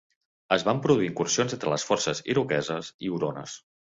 Es van produir incursions entre les forces iroqueses i hurones.